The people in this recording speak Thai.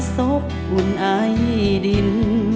ศพอุ่นไอดิน